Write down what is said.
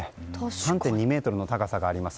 ３．２ｍの高さがあります。